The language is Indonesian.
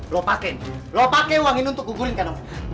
lo pake lo pake uang ini untuk gugurin kanan